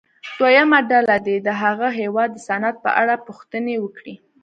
دویمه ډله دې د هغه هېواد د صنعت په اړه پوښتنې وکړي.